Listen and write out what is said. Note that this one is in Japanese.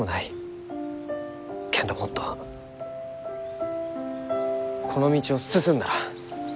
けんどもっとこの道を進んだら。